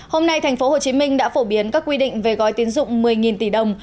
hôm nay tp hcm đã phổ biến các quy định về gói tín dụng một mươi tỷ đồng